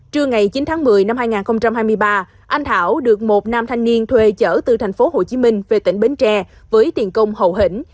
trưa ngày chín tháng một mươi năm hai nghìn hai mươi ba anh thảo được một nam thanh niên thuê chở từ thành phố hồ chí minh về tỉnh bến tre với tiền công hậu hỉnh